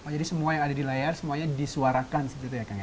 jadi semua yang ada di layar semuanya disuarakan gitu ya kang